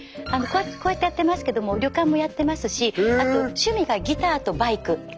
こうやってやってますけども旅館もやってますしあと趣味がギターとバイク。